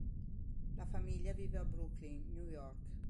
La famiglia vive a Brooklyn, New York.